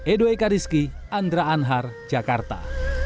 edwa ika rizky andra anhar jakarta